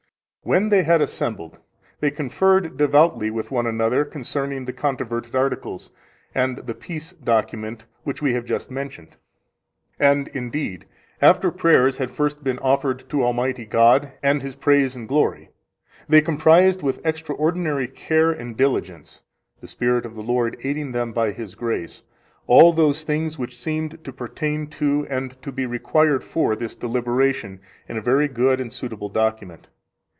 When they had assembled, they conferred devoutly with one another concerning the controverted articles and the peace document which we have just mentioned. And indeed, after prayers had first been offered to Almighty God, and His praise and glory, they comprised, with extraordinary care and diligence,—the Spirit of the Lord aiding them by His grace,—all those things which seemed to pertain to, and to be required for, this deliberation in a very good and suitable document.